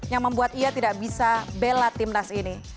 yang membuat ia tidak bisa bela timnas ini